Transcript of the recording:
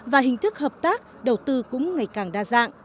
và hình thức hợp tác đầu tư cũng ngày càng đa dạng